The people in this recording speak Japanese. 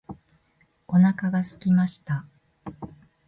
お腹が空きました。